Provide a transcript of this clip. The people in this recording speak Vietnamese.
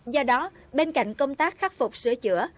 do đó bên cạnh công tác khắc phục sửa chữa